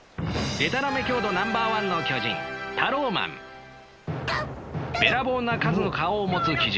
でたらめ強度ナンバーワンの巨人べらぼうな数の顔を持つ奇獣